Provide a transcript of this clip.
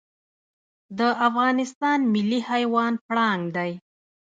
د افغانستان ملي حیوان پړانګ دی